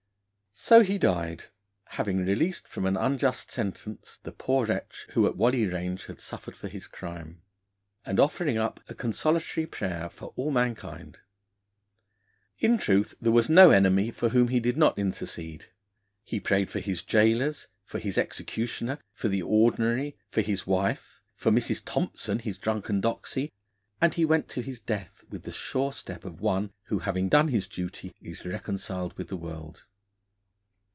So he died, having released from an unjust sentence the poor wretch who at Whalley Range had suffered for his crime, and offering up a consolatory prayer for all mankind. In truth, there was no enemy for whom he did not intercede. He prayed for his gaolers, for his executioner, for the Ordinary, for his wife, for Mrs. Thompson, his drunken doxy, and he went to his death with the sure step of one who, having done his duty, is reconciled with the world.